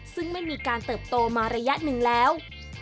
ซึ่งไม่มีการเติบโตมาระยะหนึ่งแล้ว